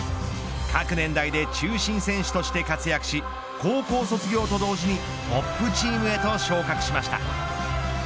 各年代で中心選手として活躍し高校卒業と同時にトップチームへと昇格しました。